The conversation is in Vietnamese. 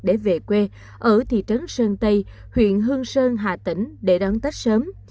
để về quê ở thị trấn sơn tây huyện hương sơn hà tĩnh để đón tết sớm